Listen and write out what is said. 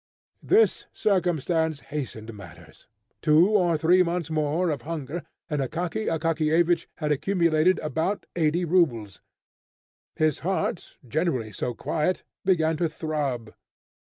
This circumstance hastened matters. Two or three months more of hunger and Akaky Akakiyevich had accumulated about eighty rubles. His heart, generally so quiet, began to throb.